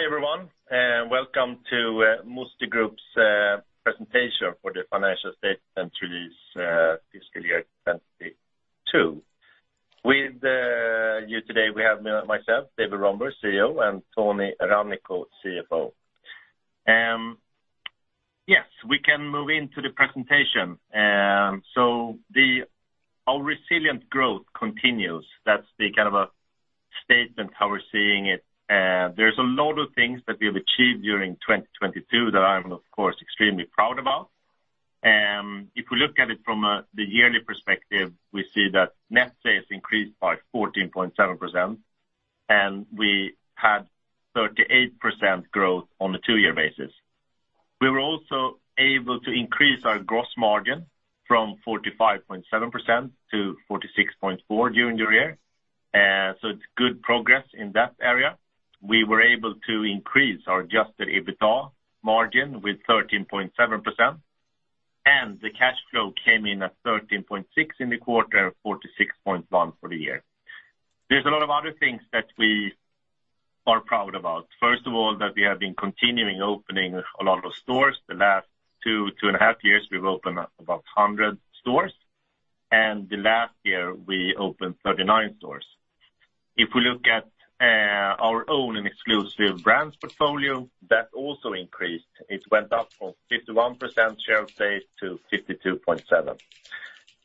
Hi, everyone, and welcome to Musti Group's presentation for the financial statements release fiscal year 2022. With you today, we have myself, David Rönnberg, CEO, and Toni Rannikko, CFO. We can move into the presentation. Our resilient growth continues. That's the kind of a statement how we're seeing it. There's a lot of things that we have achieved during 2022 that I am, of course, extremely proud about. If we look at it from the yearly perspective, we see that net sales increased by 14.7%, and we had 38% growth on the two-year basis. We were also able to increase our gross margin from 45.7% to 46.4% during the year. It's good progress in that area. We were able to increase our adjusted EBITDA margin with 13.7%, and the cash flow came in at 13.6 million in the quarter, 46.1 million for the year. There's a lot of other things that we are proud about. First of all, that we have been continuing opening a lot of stores. The last 2 and a half years, we've opened up about 100 stores, and the last year we opened 39 stores. If we look at our Own and Exclusive Brands portfolio, that also increased. It went up from 51% share of sales to 52.7%.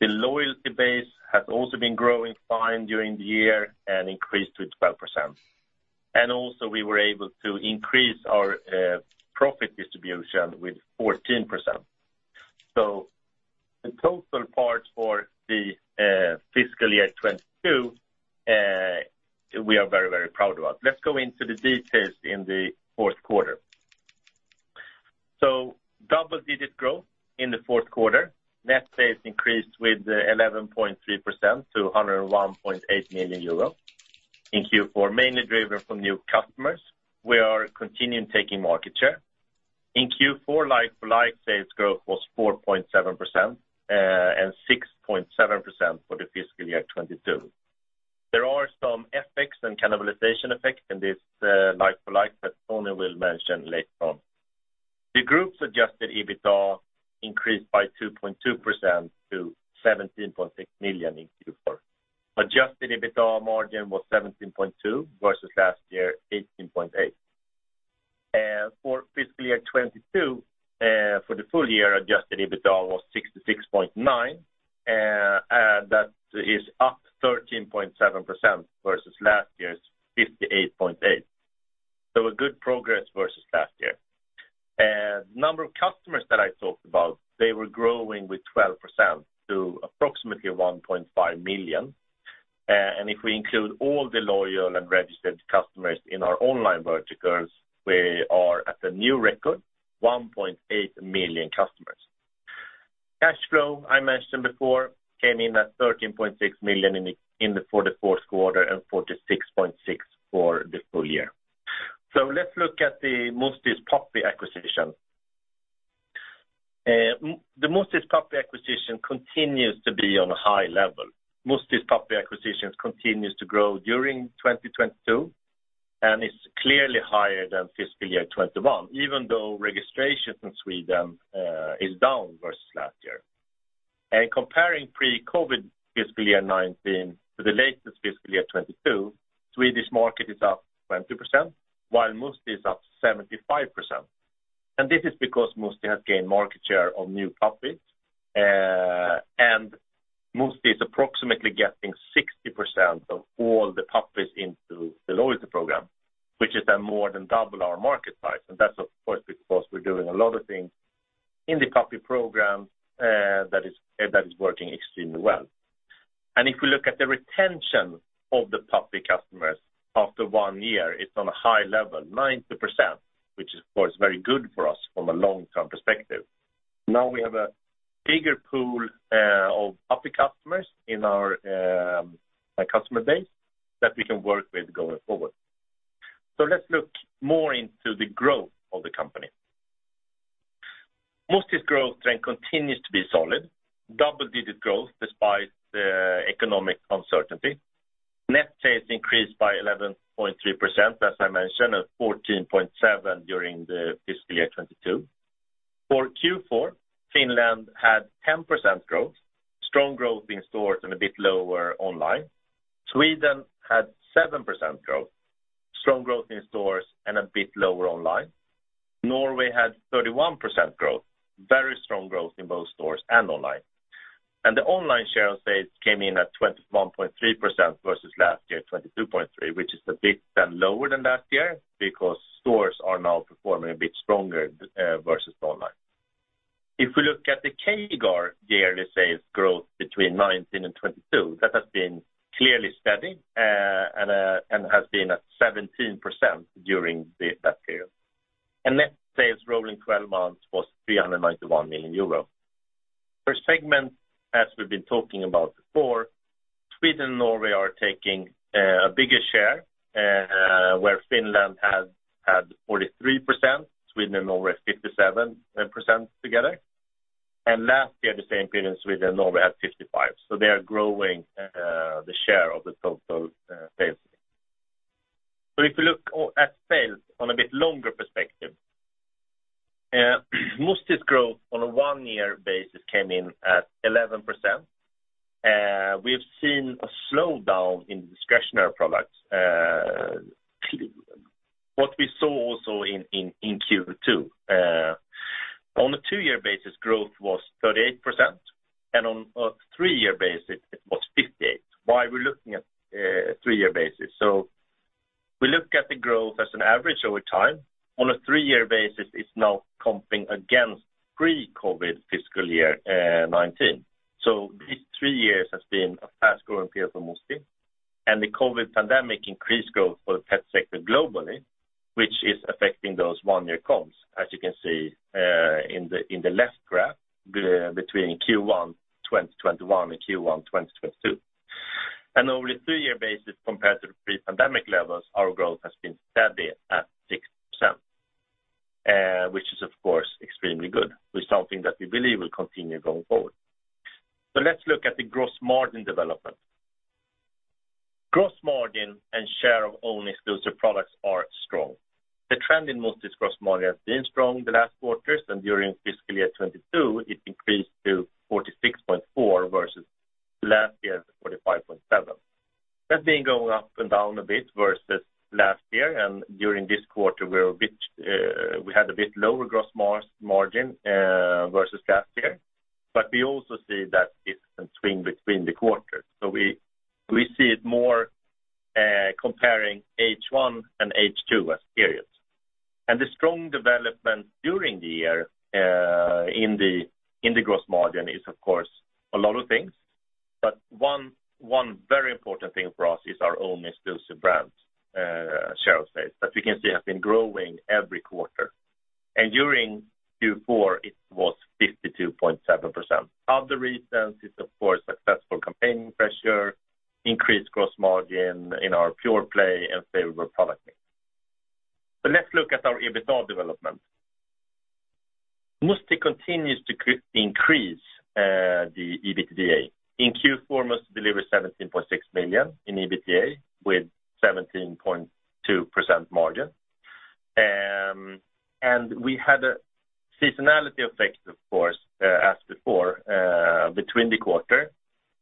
The loyalty base has also been growing fine during the year and increased to 12%. Also we were able to increase our profit distribution with 14%. The total part for the fiscal year 2022, we are very, very proud about. Let's go into the details in the fourth quarter. Double-digit growth in the fourth quarter. Net sales increased with 11.3% to 101.8 million euros in Q4, mainly driven from new customers. We are continuing taking market share. In Q4, like-for-like sales growth was 4.7% and 6.7% for the fiscal year 2022. There are some FX and cannibalization effect in this like-for-like that Toni will mention later on. The group's adjusted EBITDA increased by 2.2% to 17.6 million in Q4. Adjusted EBITDA margin was 17.2% versus last year, 18.8%. For fiscal year 2022, for the full year, adjusted EBITDA was 66.9 million, and that is up 13.7% versus last year's 58.8 million. A good progress versus last year. Number of customers that I talked about, they were growing with 12% to approximately 1.5 million. If we include all the loyal and registered customers in our online verticals, we are at a new record, 1.8 million customers. Cash flow, I mentioned before, came in at 13.6 million in the fourth quarter and 46.6 million for the full year. Let's look at Musti's puppy acquisition. Musti's puppy acquisition continues to be on a high level. Musti's puppy acquisitions continues to grow during 2022, and it's clearly higher than fiscal year 2021, even though registration in Sweden is down versus last year. Comparing pre-COVID fiscal year 2019 to the latest fiscal year 2022, Swedish market is up 20%, while Musti is up 75%. This is because Musti has gained market share of new puppies, and Musti is approximately getting 60% of all the puppies into the loyalty program, which is then more than double our market size. That's of course because we're doing a lot of things in the puppy program that is working extremely well. If we look at the retention of the puppy customers after one year, it's on a high level, 90%, which of course is very good for us from a long-term perspective. Now we have a bigger pool of puppy customers in our customer base that we can work with going forward. Let's look more into the growth of the company. Musti's growth trend continues to be solid. Double-digit growth despite economic uncertainty. Net sales increased by 11.3%, as I mentioned, and 14.7% during the fiscal year 2022. For Q4, Finland had 10% growth, strong growth in stores and a bit lower online. Sweden had 7% growth, strong growth in stores and a bit lower online. Norway had 31% growth, very strong growth in both stores and online. The online share of sales came in at 21.3% versus last year, 22.3%, which is a bit then lower than last year because stores are now performing a bit stronger versus online. If we look at the CAGR yearly sales growth between 2019 and 2022, that has been clearly steady and has been at 17% during that period. Net sales rolling 12 months was 391 million euro. Per segment, as we've been talking about before, Sweden and Norway are taking a bigger share, where Finland had 43%, Sweden and Norway 57% together. Last year, the same period in Sweden, Norway had 55%. They are growing the share of the total sales. If you look at sales on a bit longer perspective, Musti's growth on a one-year basis came in at 11%. We've seen a slowdown in discretionary products, what we saw also in Q2. On a two-year basis, growth was 38%, and on a three-year basis, it was 58%. Why are we looking at a three-year basis? We look at the growth as an average over time. On a three-year basis, it's now comping against pre-COVID fiscal year 2019. These three years has been a fast-growing period for Musti, and the COVID pandemic increased growth for the pet sector globally, which is affecting those one-year comps, as you can see in the left graph between Q1 2021 and Q1 2022. Over a three-year basis compared to the pre-pandemic levels, our growth has been steady at 6%, which is, of course, extremely good with something that we believe will continue going forward. Let's look at the gross margin development. Gross margin and share of Own Exclusive products are strong. The trend in Musti's gross margin has been strong the last quarters, and during fiscal year 2022, it increased to 46.4% versus last year's 45.7%. That's been going up and down a bit versus last year, and during this quarter, we had a bit lower gross margin versus last year. We also see that it can swing between the quarters. We see it more comparing H1 and H2 as periods. The strong development during the year in the gross margin is, of course, a lot of things. One very important thing for us is our Own Exclusive brand, Sheriff's Pets, that we can see has been growing every quarter. During Q4, it was 52.7%. Other reasons is, of course, successful campaign pressure, increased gross margin in our pure play and favorable product mix. Let's look at our EBITDA development. Musti continues to increase the EBITDA. In Q4, Musti delivered 17.6 million in EBITDA with 17.2% margin. We had a seasonality effect, of course, as before, between the quarter.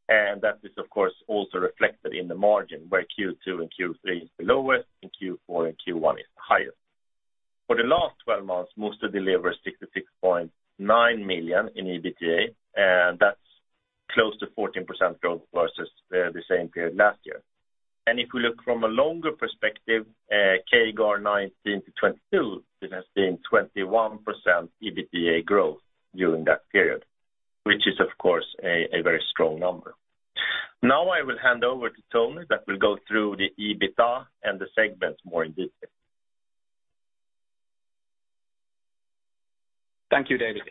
That is, of course, also reflected in the margin where Q2 and Q3 is the lowest and Q4 and Q1 is the highest. For the last 12 months, Musti delivered 66.9 million in EBITDA, and that is close to 14% growth versus the same period last year. If we look from a longer perspective, CAGR 2019 to 2022, it has been 21% EBITDA growth during that period, which is, of course, a very strong number. I will hand over to Toni that will go through the EBITDA and the segments more in detail. Thank you, David,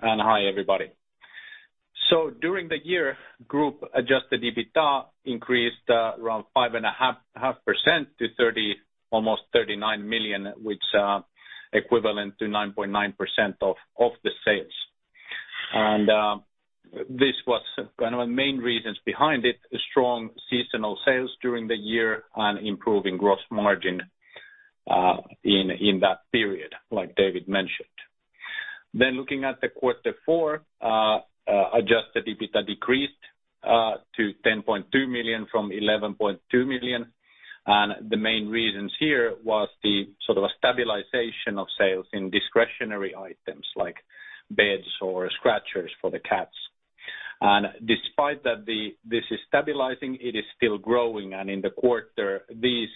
and hi, everybody. During the year, group adjusted EBITDA increased around 5.5% to almost 39 million, which equivalent to 9.9% of the sales. This was one of the main reasons behind it, strong seasonal sales during the year and improving gross margin in that period, like David mentioned. Looking at the quarter four, adjusted EBITDA decreased to 10.2 million from 11.2 million. The main reasons here was the sort of a stabilization of sales in discretionary items like beds or scratchers for the cats. Despite that this is stabilizing, it is still growing, and in the quarter, these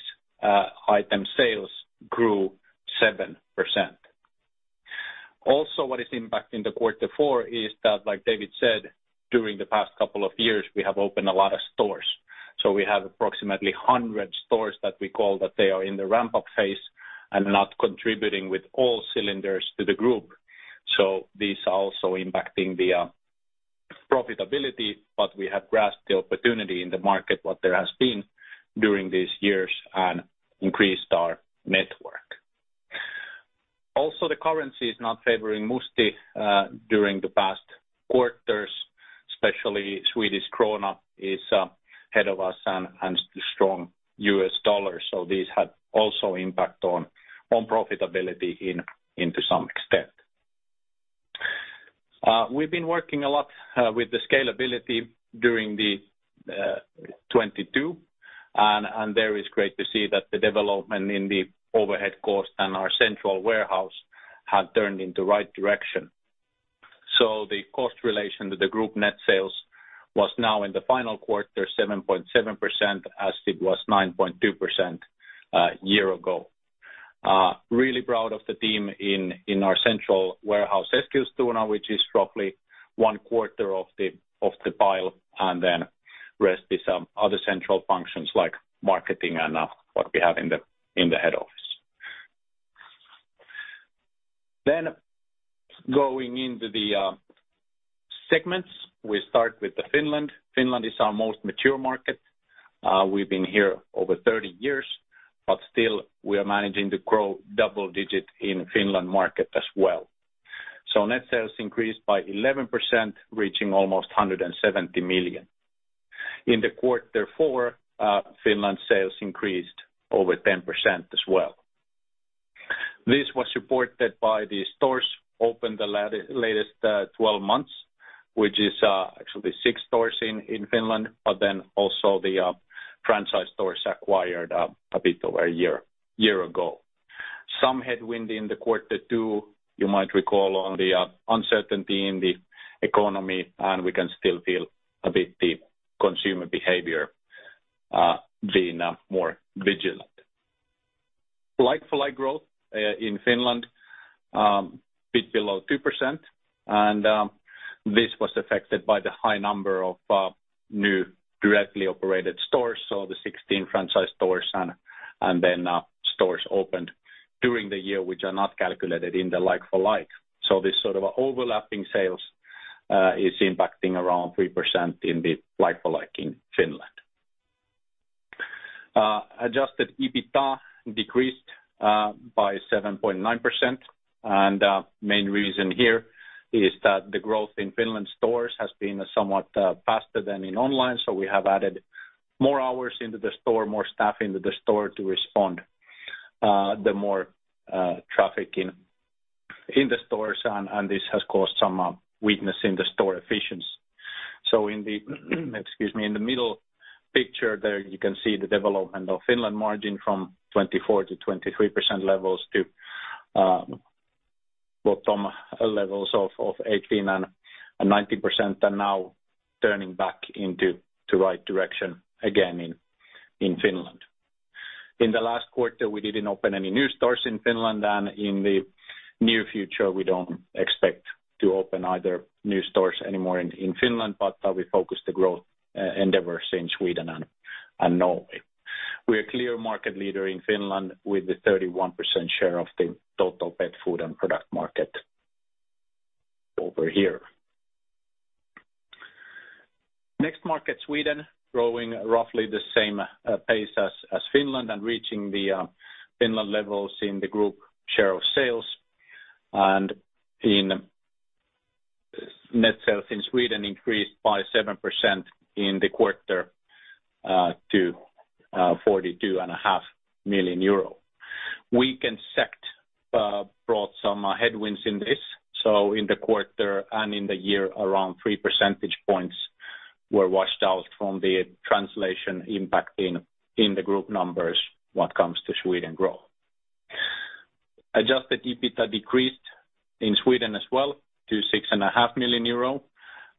item sales grew 7%. What is impacting the quarter four is that, like David said, during the past couple of years, we have opened a lot of stores. We have approximately 100 stores that we call that they are in the ramp-up phase and not contributing with all cylinders to the group. This also impacting the profitability, but we have grasped the opportunity in the market, what there has been during these years and increased our network. The currency is not favoring Musti during the past quarters, especially Swedish krona is ahead of us and the strong US dollar. These had also impact on profitability into some extent. We have been working a lot with the scalability during 2022, and there is great to see that the development in the overhead cost and our central warehouse had turned in the right direction. The cost relation to the group net sales was now in the final quarter, 7.7% as it was 9.2% a year ago. Really proud of the team in our central warehouse, Eskilstuna, which is roughly one-quarter of the pile, and then rest is other central functions like marketing and what we have in the head office. Going into the segments, we start with the Finland. Finland is our most mature market We have been here over 30 years, but still, we are managing to grow double digits in Finland market as well. Net sales increased by 11%, reaching almost 170 million. In the quarter four, Finland sales increased over 10% as well. This was supported by the stores opened the latest 12 months, which is actually six stores in Finland, but then also the franchise stores acquired a bit over a year ago. Some headwind in the quarter two, you might recall on the uncertainty in the economy, and we can still feel a bit the consumer behavior being more vigilant. Like-for-like growth in Finland, a bit below 2%, this was affected by the high number of new directly operated stores. The 16 franchise stores and then stores opened during the year, which are not calculated in the like-for-like. This sort of overlapping sales is impacting around 3% in the like-for-like in Finland. Adjusted EBITDA decreased by 7.9%, main reason here is that the growth in Finland stores has been somewhat faster than in online. We have added more hours into the store, more staff into the store to respond the more traffic in the stores, and this has caused some weakness in the store efficiency. In the, excuse me, in the middle picture there, you can see the development of Finland margin from 24% to 23% levels to bottom levels of 18% and 19% and now turning back into to right direction again in Finland. In the last quarter, we didn't open any new stores in Finland, and in the near future, we don't expect to open either new stores anymore in Finland, but we focus the growth endeavors in Sweden and Norway. We are clear market leader in Finland with the 31% share of the total pet food and product market over here. Next market, Sweden, growing roughly the same pace as Finland and reaching the Finland levels in the group share of sales. Net sales in Sweden increased by 7% in the quarter to 42.5 million euro. Weak SEK brought some headwinds in this. In the quarter and in the year, around three percentage points were washed out from the translation impact in the group numbers when it comes to Sweden growth. Adjusted EBITDA decreased in Sweden as well to 6.5 million euro.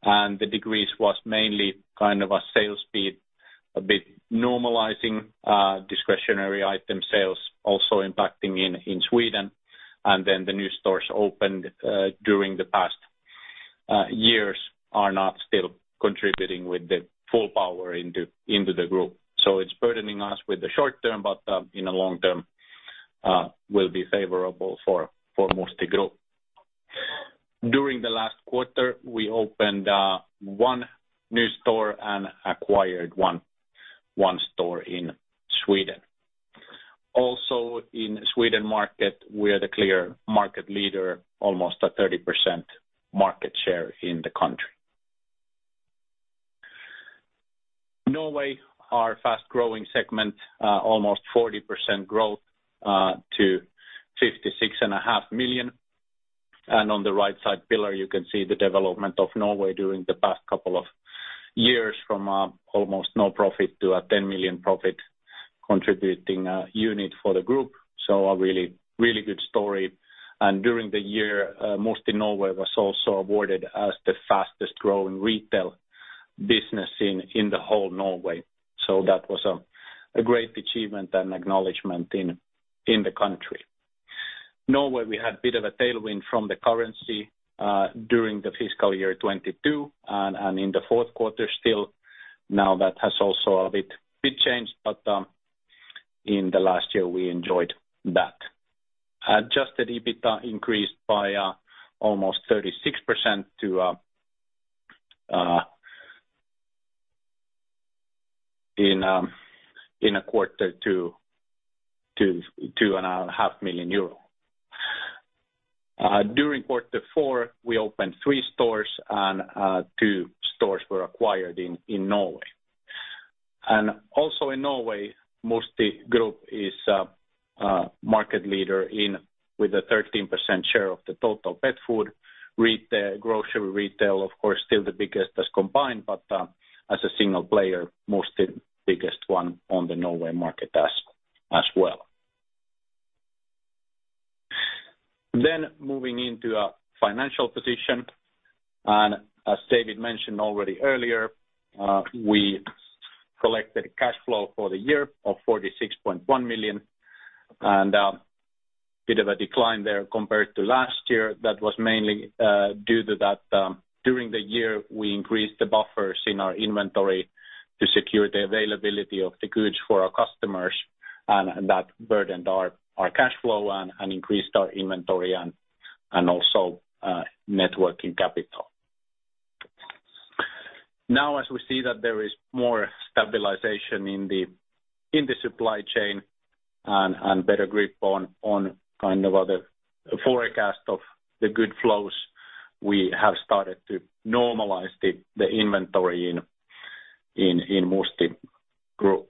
The decrease was mainly kind of a sales speed, a bit normalizing discretionary item sales also impacting in Sweden. The new stores opened during the past years are not still contributing with the full power into the group. It's burdening us with the short-term, but in the long term will be favorable for Musti Group. During the last quarter, we opened one new store and acquired one store in Sweden. Also in Sweden market, we are the clear market leader, almost a 30% market share in the country. Norway, our fast-growing segment, almost 40% growth to 56.5 million. On the right side pillar, you can see the development of Norway during the past couple of years from almost no profit to a 10 million profit contributing unit for the group. A really good story. During the year, Musti Norway was also awarded as the fastest-growing retail business in the whole Norway. That was a great achievement and acknowledgement in the country. Norway, we had a bit of a tailwind from the currency during the fiscal year 2022 and in the fourth quarter still. Now that has also a bit changed, but in the last year, we enjoyed that. Adjusted EBITDA increased by almost 36% in a quarter to 2.5 million euro. During quarter four, we opened three stores, and two stores were acquired in Norway. Also in Norway, Musti Group is a market leader with a 13% share of the total pet food. Grocery retail, of course, still the biggest as combined, but as a single player, Musti biggest one on the Norway market as well. Moving into a financial position. As David mentioned already earlier, we collected cash flow for the year of 46.1 million, and a bit of a decline there compared to last year. That was mainly due to that during the year, we increased the buffers in our inventory to secure the availability of the goods for our customers, and that burdened our cash flow and increased our inventory and also networking capital. As we see that there is more stabilization in the supply chain and better grip on the forecast of the good flows, we have started to normalize the inventory in Musti Group.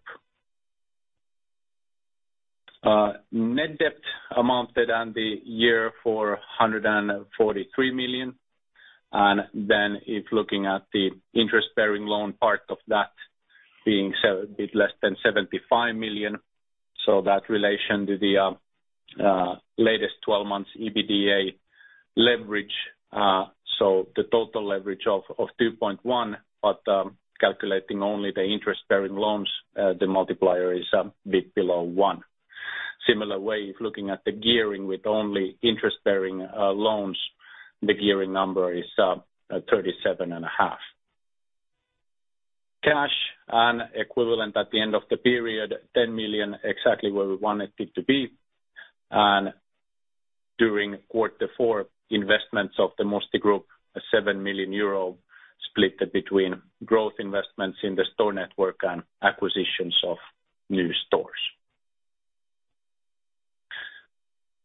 Net debt amounted on the year for 143 million. If looking at the interest-bearing loan part of that being a bit less than 75 million. That relation to the latest 12 months EBITDA leverage, so the total leverage of 2.1, but calculating only the interest-bearing loans, the multiplier is a bit below one. Similar way, if looking at the gearing with only interest-bearing loans, the gearing number is 37.5. Cash and equivalent at the end of the period, 10 million, exactly where we wanted it to be. During quarter four, investments of the Musti Group, 7 million euro split between growth investments in the store network and acquisitions of new stores.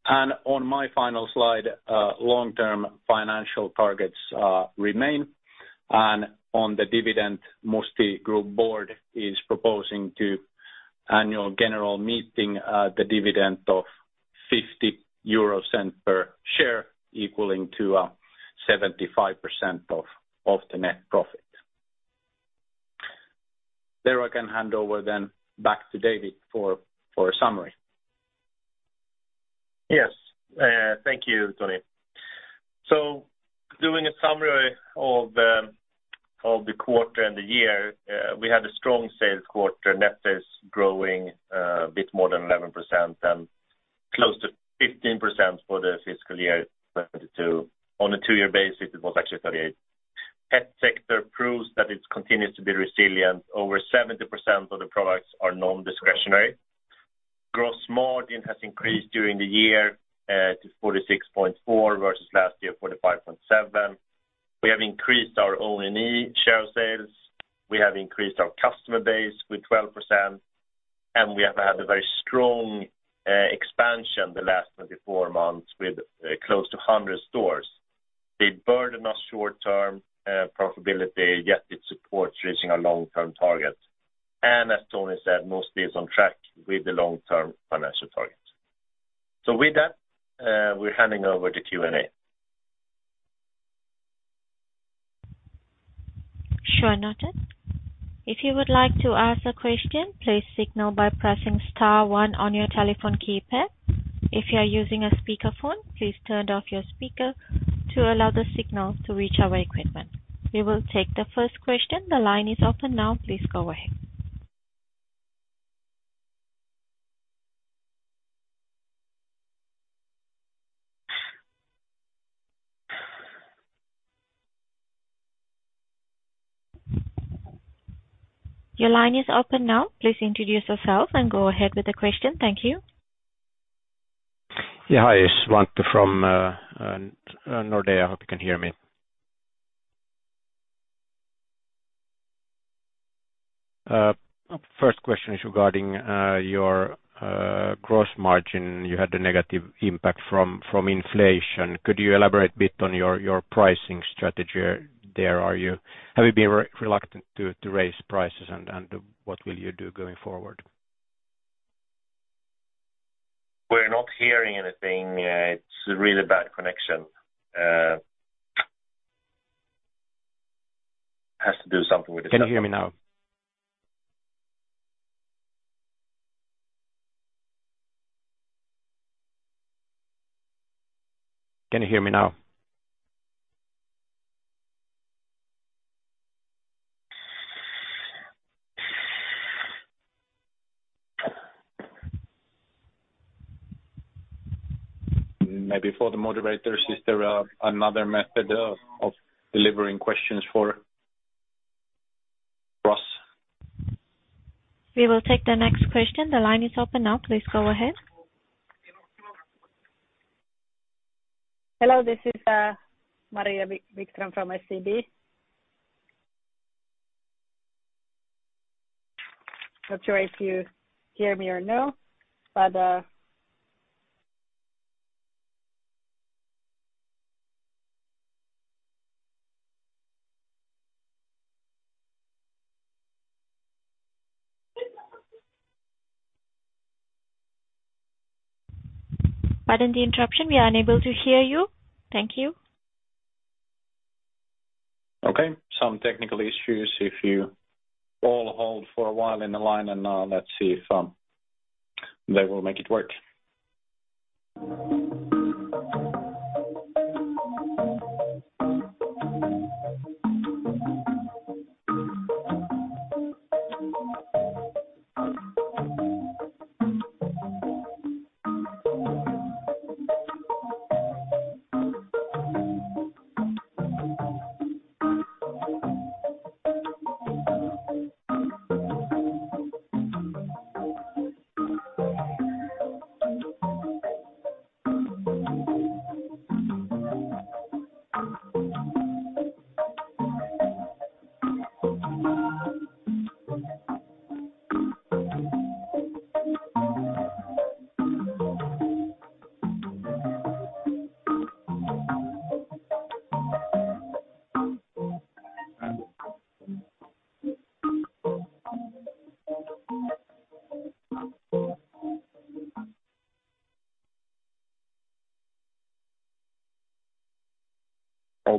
On my final slide, long-term financial targets remain. On the dividend, Musti Group board is proposing to annual general meeting, the dividend of 0.50 per share equaling to 75% of the net profit. I can hand over then back to David for a summary. Yes. Thank you, Toni. Doing a summary of the quarter and the year, we had a strong sales quarter, net sales growing a bit more than 11% and close to 15% for the fiscal year 2022. On a two-year basis, it was actually 38%. Pet sector proves that it continues to be resilient. Over 70% of the products are non-discretionary. Gross margin has increased during the year to 46.4% versus last year 45.7%. We have increased our O&E share sales. We have increased our customer base with 12% and we have had a very strong expansion the last 24 months with close to 100 stores. They burden us short-term profitability, yet it supports reaching our long-term target. As Toni said, Musti is on track with the long-term financial targets. With that, we're handing over to Q&A. Sure, noted. If you would like to ask a question, please signal by pressing star one on your telephone keypad. If you are using a speakerphone, please turn off your speaker to allow the signal to reach our equipment. We will take the first question. The line is open now. Please go ahead. Your line is open now. Please introduce yourself and go ahead with the question. Thank you. Yeah. Hi, it's Svante from Nordea. I hope you can hear me. First question is regarding your gross margin. You had a negative impact from inflation. Could you elaborate a bit on your pricing strategy there? Have you been reluctant to raise prices and what will you do going forward? We're not hearing anything. It's a really bad connection. Has to do something with this. Can you hear me now? Maybe for the moderators, is there another method of delivering questions for us? We will take the next question. The line is open now. Please go ahead. Hello, this is Maria Wikström from SEB. Not sure if you hear me or no. Pardon the interruption. We are unable to hear you. Thank you. Okay. Some technical issues. If you all hold for a while in the line and let's see if they will make it work.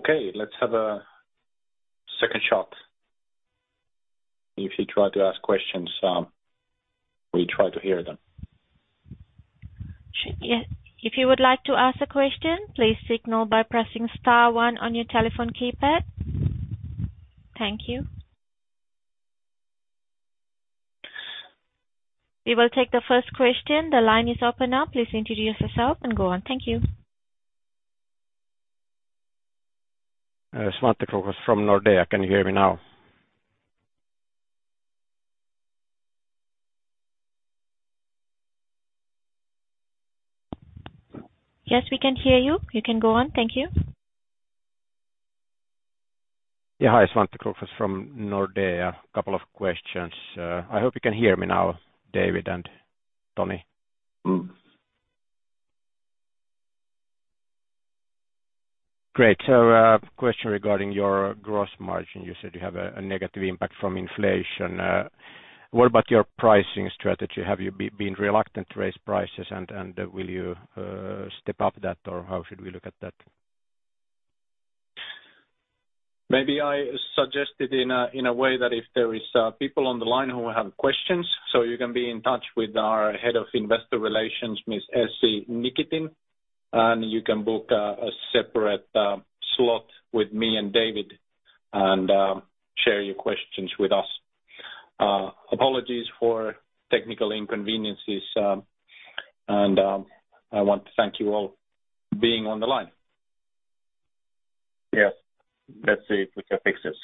Okay, let's have a second shot. If you try to ask questions, we try to hear them. If you would like to ask a question, please signal by pressing star one on your telephone keypad. Thank you. We will take the first question. The line is open now. Please introduce yourself and go on. Thank you. Svante Krook from Nordea. Can you hear me now? Yes, we can hear you. You can go on. Thank you. Yeah. Hi, Svante Krook from Nordea. A couple of questions. I hope you can hear me now, David and Toni. Great. Question regarding your gross margin. You said you have a negative impact from inflation. What about your pricing strategy? Have you been reluctant to raise prices and will you step up that, or how should we look at that? Maybe I suggested in a way that if there is people on the line who have questions, so you can be in touch with our Head of Investor Relations, Miss Essi Nikitin, and you can book a separate slot with me and David and share your questions with us. Apologies for technical inconveniences. I want to thank you all being on the line. Yes. Let's see if we can fix this.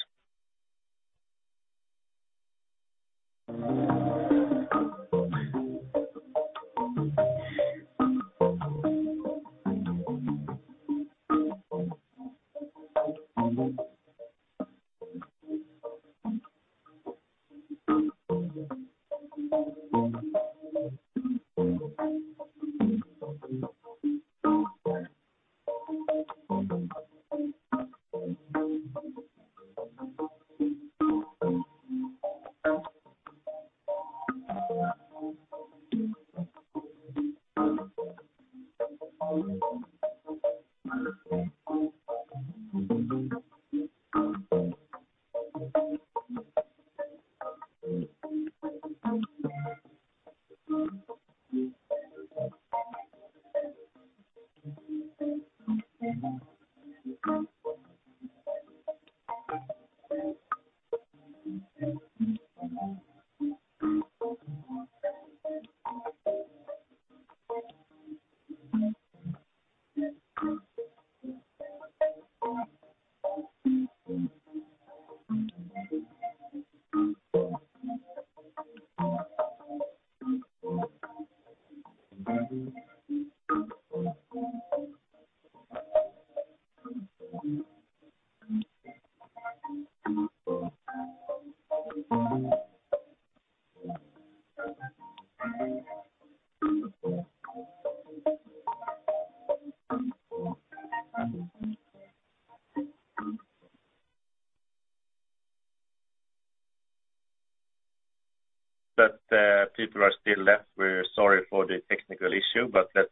People are still left. We're sorry for the technical issue, but let's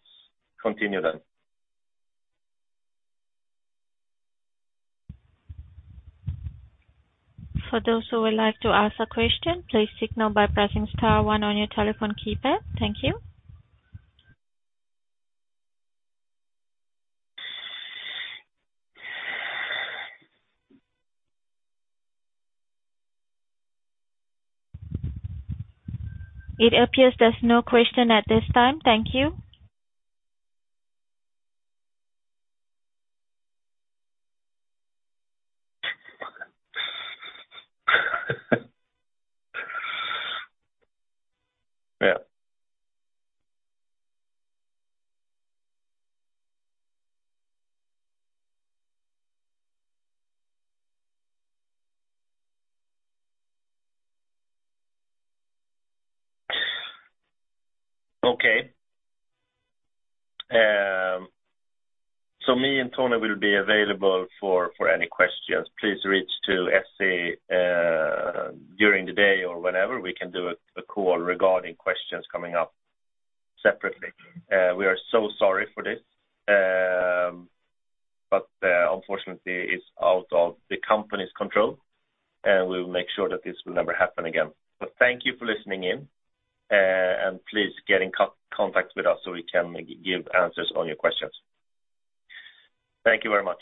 continue then. For those who would like to ask a question, please signal by pressing star one on your telephone keypad. Thank you. It appears there's no question at this time. Thank you. Yeah. Okay. Me and Toni will be available for any questions. Please reach to Essi during the day or whenever. We can do a call regarding questions coming up separately. We are so sorry for this. Unfortunately, it's out of the company's control, and we will make sure that this will never happen again. Thank you for listening in, and please get in contact with us so we can give answers on your questions. Thank you very much.